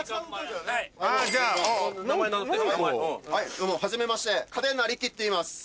どうもはじめましてかでなりきっていいます。